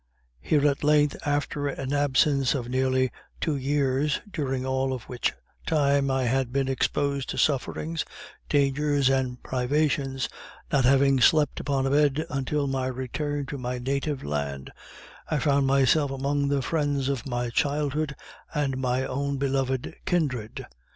Here, at length, after an absence of nearly two years, during all of which time I had been exposed to sufferings, dangers and privations, not having slept upon a bed until my return to my native land, I found myself among the friends of my childhood and my own beloved kindred.